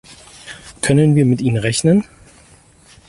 Können wir mit Ihnen rechnen?